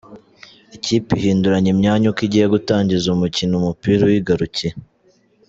Ikipe ihinduranya imyanya uko igiye gutangiza umukino umupira uyigarukiye.